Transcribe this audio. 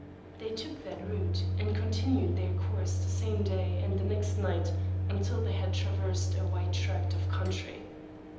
They took that route, and continued their course the same day and the next night until they had traversed a wide tract of country.